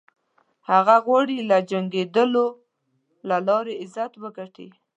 هغه غواړي له جنګېدلو له لارې عزت وګټي.